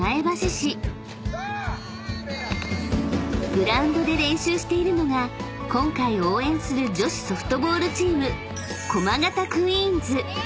［グラウンドで練習しているのが今回応援する女子ソフトボールチーム］